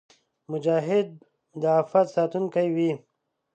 مجاهد د عفت ساتونکی وي.